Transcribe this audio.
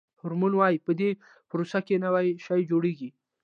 هارمون وایي په دې پروسه کې نوی شی جوړیږي.